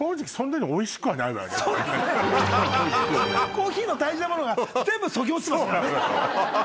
コーヒーの大事なものが全部そぎ落ちてますからね。